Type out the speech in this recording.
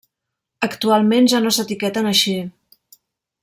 Actualment ja no s'etiqueten així.